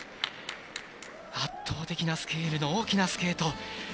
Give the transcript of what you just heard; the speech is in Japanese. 圧倒的なスケールの大きなスケート。